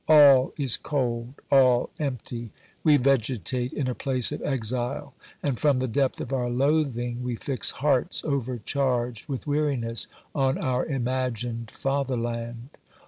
All is cold, all empty ; we vegetate in a place of exile, and from the depth of our loathing we fix hearts overcharged with weariness on our imagined fatherland.